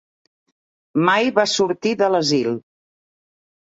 Mai va sortir de l'asil.